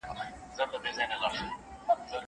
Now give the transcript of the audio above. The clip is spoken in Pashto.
چا راته ویلي وه چي خدای دي ځوانیمرګ مه که